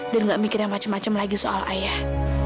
dan gak mikir yang macem macem lagi soal ayah